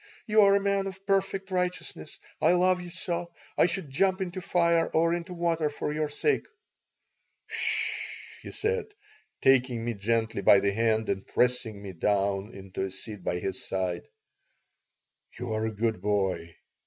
"You are a man of perfect righteousness. I love you so. I should jump into fire or into water for your sake." "'S sh!" he said, taking me gently by the hand and pressing me down into a seat by his side. "You are a good boy.